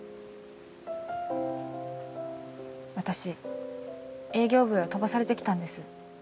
私営業部へは飛ばされてきたんです。